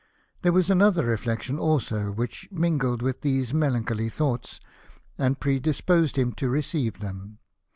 There was another reflection also which mingled with these melancholy thoughts, and predisposed hhn to receive them.